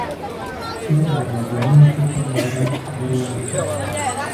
په کوڅو او بازارونو کې په لوړ غږ خبري مه کوٸ.